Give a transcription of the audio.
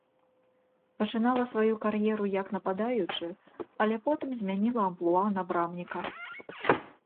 Пачынала сваю кар'еру як нападаючы, але потым змяніла амплуа на брамніка.